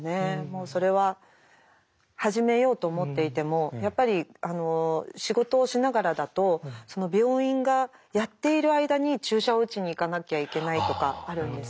それは始めようと思っていてもやっぱり仕事をしながらだとその病院がやっている間に注射を打ちに行かなきゃいけないとかあるんですね。